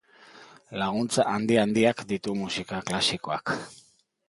Laguntza handi-handiak ditu musika klasikoak.